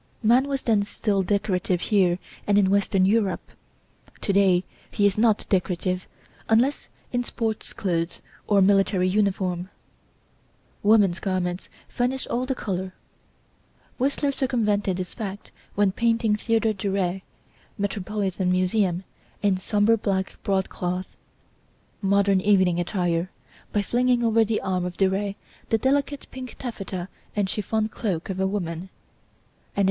Man was then still decorative here and in western Europe. To day he is not decorative, unless in sports clothes or military uniform; woman's garments furnish all the colour. Whistler circumvented this fact when painting Theodore Duret (Metropolitan Museum) in sombre black broadcloth, modern evening attire, by flinging over the arm of Duret, the delicate pink taffeta and chiffon cloak of a woman, and in M.